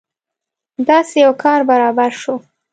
داسې یو کار برابر شو.